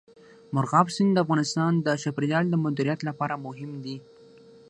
مورغاب سیند د افغانستان د چاپیریال د مدیریت لپاره مهم دي.